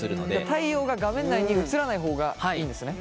太陽が画面内に映らない方がいいんですね？